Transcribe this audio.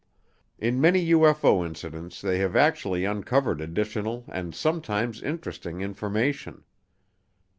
In many UFO incidents they have actually uncovered additional, and sometimes interesting, information.